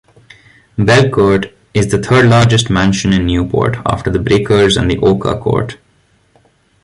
Belcourt is the third largest mansion in Newport, after The Breakers and Ochre Court.